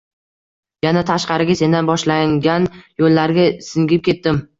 Yana tashqariga sendan boshlangan yo’llarga singib ketdim.